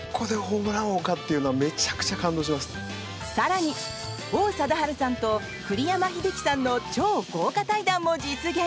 更に王貞治さんと栗山英樹さんの超豪華対談も実現。